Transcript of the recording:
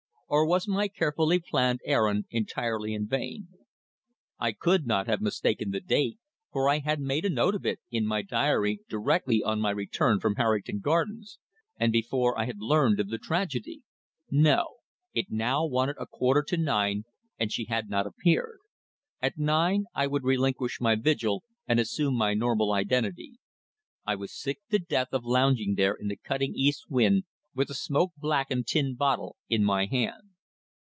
Or, was my carefully planned errand entirely in vain? I could not have mistaken the date, for I had made a note of it in my diary directly on my return from Harrington Gardens, and before I had learned of the tragedy. No. It now wanted a quarter to nine and she had not appeared. At nine I would relinquish my vigil, and assume my normal identity. I was sick to death of lounging there in the cutting east wind with the smoke blackened tin bottle in my hand.